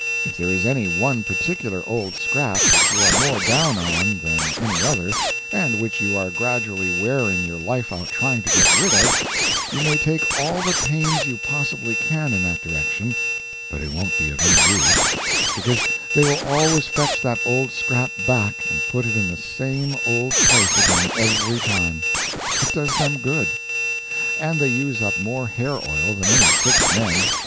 If there is any one particular old scrap that you are more down on than any other, and which you are gradually wearing your life out trying to get rid of, you may take all the pains you possibly can in that direction, but it won't be of any use, because they will always fetch that old scrap back and put it in the same old place again every time. It does them good. And they use up more hair oil than any six men.